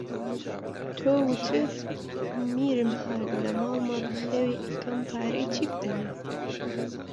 تۆ، وتت: میرم ها لە ماڵما بەخێوی ئەکەم پارەی چی بدەمێ؟